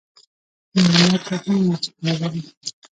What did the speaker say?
مېلمه ته مه وایه چې کار لرم.